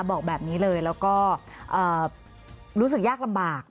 บอกแบบนี้เลยแล้วก็รู้สึกยากลำบาก